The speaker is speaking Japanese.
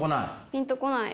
ピンと来ない。